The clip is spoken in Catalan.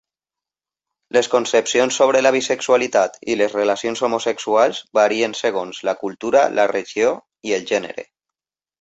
Les concepcions sobre la bisexualitat i les relacions homosexuals varien segons la cultura, la regió i el gènere.